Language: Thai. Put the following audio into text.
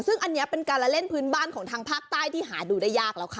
ซึ่งอันนี้เป็นการละเล่นพื้นบ้านของทางภาคใต้ที่หาดูได้ยากแล้วค่ะ